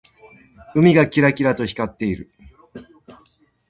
海がキラキラと光っている。